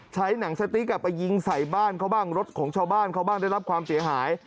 หนังสติ๊กไปยิงใส่บ้านเขาบ้างรถของชาวบ้านเขาบ้างได้รับความเสียหาย